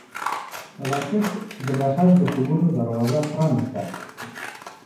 راکټ د بشر د خوبونو دروازه پرانیسته